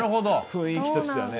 雰囲気としてはね。